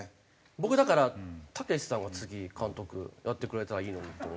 僕だからたけしさんが次監督やってくれたらいいのにと思ってるんですけど。